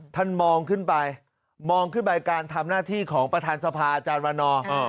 ท่านมองขึ้นไปมองขึ้นไปการทำหน้าที่ของประธานสภาอาจารย์วันนอร์